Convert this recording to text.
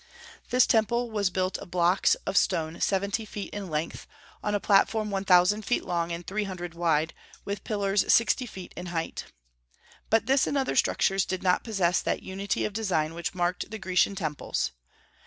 This temple was built of blocks of stone seventy feet in length, on a platform one thousand feet long and three hundred wide, with pillars sixty feet in height. But this and other structures did not possess that unity of design which marked the Grecian temples.